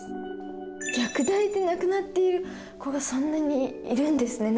虐待で亡くなっている子がそんなにいるんですね。